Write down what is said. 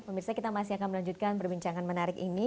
pemirsa kita masih akan melanjutkan perbincangan menarik ini